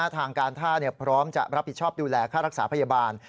ทางการท่าพร้อมจะรับผิดชอบดูแลค่ารักษาพยาบาล